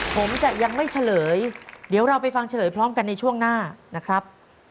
ผมจะยังไม่เฉลยเดี๋ยวเราไปฟังเฉลยพร้อมกันในช่วงหน้านะครับ